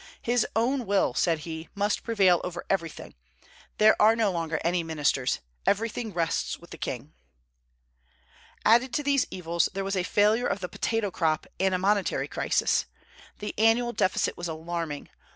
"His own will," said he, "must prevail over everything. There are no longer any ministers. Everything rests with the king." Added to these evils, there was a failure of the potato crop and a monetary crisis. The annual deficit was alarming.